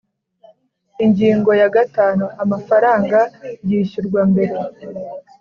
Ingingo ya gatanu Amafaranga yishyurwa mbere